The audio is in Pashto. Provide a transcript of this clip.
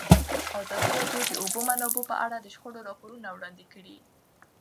ازادي راډیو د د اوبو منابع په اړه د شخړو راپورونه وړاندې کړي.